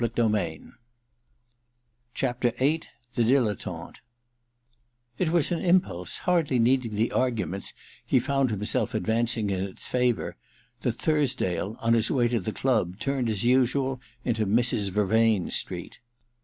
i THE DILETTANTE 263 i THE DILETTANTE It was on an impulse hardly needing the argu ments he found himself advancing in its favour, that Thursdale, on his way to the club, turned as usual into Mrs. Vervain's street.